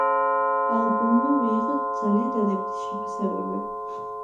ალბომმა მიიღო ძალიან დადებითი შეფასებები.